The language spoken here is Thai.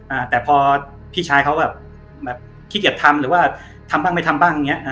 อ่าแต่พอพี่ชายเขาแบบแบบขี้เกียจทำหรือว่าทำบ้างไม่ทำบ้างอย่างเงี้